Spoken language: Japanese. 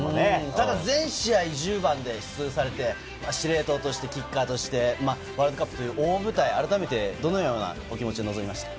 ただ全試合１０番で出場されて、司令塔としてキッカーとしてワールドカップの大舞台、どのようなお気持ちで臨みましたか？